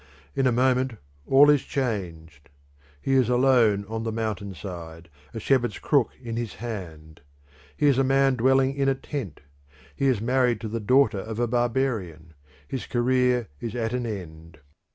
In a moment all is changed. He is alone on the mountain side, a shepherd's crook in his hand. He is a man dwelling in a tent; he is married to the daughter of a barbarian; his career is at an end.